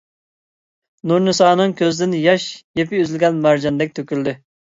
نۇرنىسانىڭ كۆزىدىن ياش يىپى ئۈزۈلگەن مارجاندەك تۆكۈلدى.